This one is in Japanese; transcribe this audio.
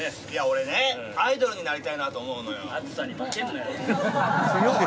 いや俺ねアイドルになりたいなと思うのよ。